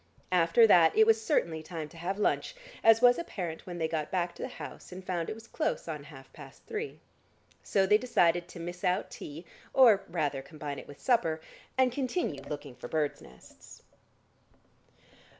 After that, it was certainly time to have lunch, as was apparent when they got back to the house and found it close on half past three. So they decided to miss out tea, or rather combine it with supper, and continue looking for birds' nests.